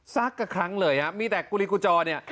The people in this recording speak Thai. สักกระครั้งเลยมีแต่กุริกุจอร์เนี่ย